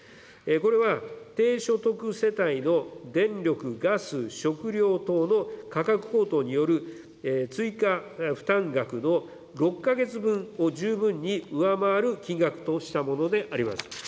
これは、低所得世帯の電力・ガス、食料等の価格高騰による追加負担額の６か月分を、十分に上回る金額としたものであります。